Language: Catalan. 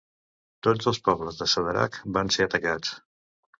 Tots els pobles de Sadarak van ser atacats.